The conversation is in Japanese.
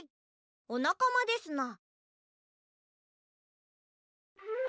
おなかまですな。